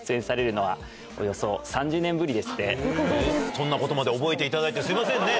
そんなことまで覚えていただいてすいませんね。